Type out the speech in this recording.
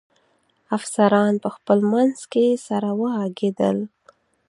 افسران په خپل منځ کې سره و غږېدل.